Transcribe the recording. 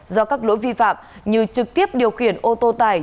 do các lỗi vi phạm như trực tiếp điều khiển ô tô tải